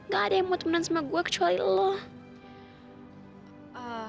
gak ada yang mau temenan sama gue kecuali allah